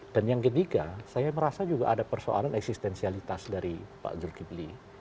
dan yang ketiga saya merasa juga ada persoalan eksistensialitas dari pak zulkifli